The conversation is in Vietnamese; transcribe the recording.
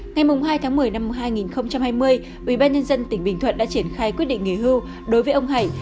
ngày hai tháng một mươi năm hai nghìn hai mươi ủy ban nhân dân tỉnh bình thuận đã triển khai quyết định nghề hưu đối với ông hải